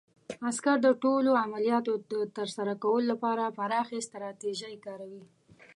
عسکر د ټولو عملیاتو د ترسره کولو لپاره پراخې ستراتیژۍ کاروي.